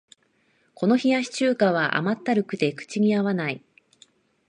この冷やし中華は甘ったるくて口に合わない